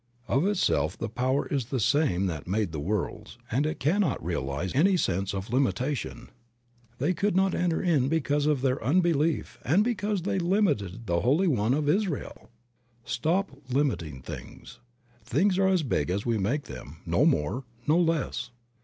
Of itself the power is the same that made the worlds, and it cannot realize any sense of limitation. "They could not enter in because of their 52 Creative Mind. unbelief and because they limited the Holy one of Israel." Stop limiting things. Things are as big as we make them, no more, no less.